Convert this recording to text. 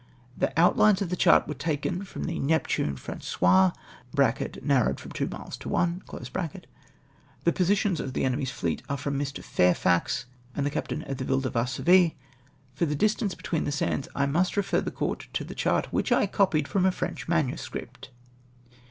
The outlines of the chart are taken from the Neptune Fran cois (narrowed from two miles to one !). The positions of the enemy's fleet are from Mr. Fairfax and the captain of the Ville de Varsovie. For the distance hetween the sands I must refer the court to a chart tvhich I copied from a French manuscript